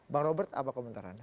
bang robert apa komentarnya